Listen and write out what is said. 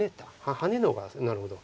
ハネの方がなるほど。